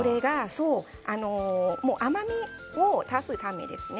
甘みを足すためですね。